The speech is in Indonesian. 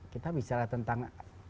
kita bicara tentang